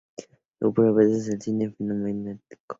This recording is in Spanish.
Su propuesta es el cine fenomenológico.